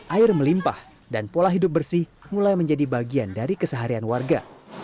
air melimpah dan pola hidup bersih mulai menjadi bagian dari keseharian warga